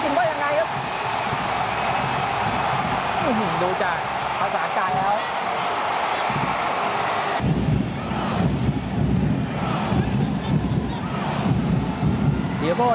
ดีโบดวนด้วยกับจุธาวิอัคอะไรอย่างเท่านั้นของลูกมีครับ